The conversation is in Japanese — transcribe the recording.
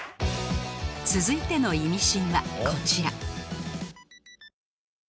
続いてのイミシンはこちら。